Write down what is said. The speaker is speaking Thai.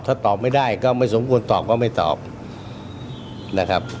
ถ้าตอบไม่ได้ก็ไม่สมควรตอบก็ไม่ตอบนะครับ